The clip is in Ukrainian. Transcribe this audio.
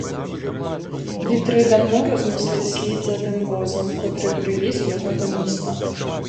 Вітри давно рознесли слід за тим возом, котрий привіз його до міста.